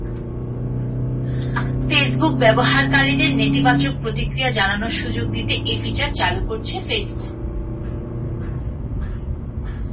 Facebook ব্যবহারকারীদের নেতিবাচক প্রতিক্রিয়া জানানোর সুযোগ দিতে এ ফিচার চালু করছে ফেসবুক।